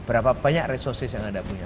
berapa banyak resources yang anda punya